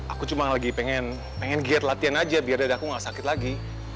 aku cuma lagi pengen pengen giat latihan aja biar dadaku gak sakit lagi